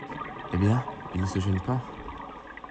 Eh bien, il ne se gène pas !